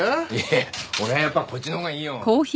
いや俺はやっぱこっちのほうがいいよ。